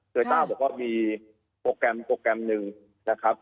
โตยาต้าเราก็มีโปรแกรมโปรแกรมหนึ่งนะครับ